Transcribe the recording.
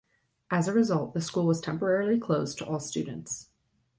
As a result, the school was temporarily closed to all students.